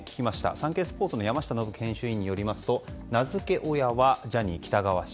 サンケイスポーツの山下伸基編集委員によりますと名付け親はジャニー喜多川氏。